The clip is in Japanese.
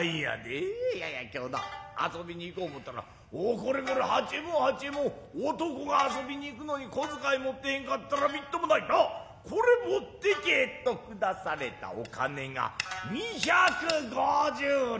いやいや今日な遊びに行こう思うたらおこれこれ八右衛門八右衛門男が遊びに行くのに小遣い持ってへんかったらみっともないさあ是れ持って行けと下されたお金が二百五十両。